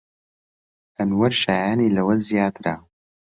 ئەنوەر شایەنی لەوە زیاترە.